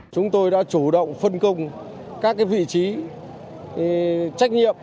chúng tôi đã chủ động phân công các vị trí trách nhiệm